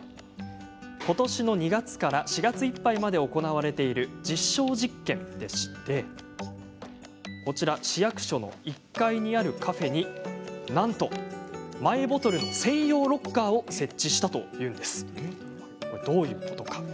ことしの２月から４月いっぱいまで行われている実証実験で市役所の１階にあるカフェになんとマイボトルの専用ロッカーを設置したというんです。